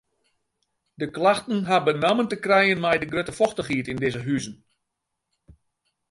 De klachten ha benammen te krijen mei de grutte fochtichheid yn dizze huzen.